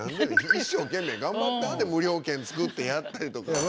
一生懸命頑張って無料券作ってやったりとか。